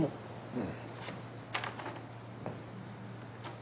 うん。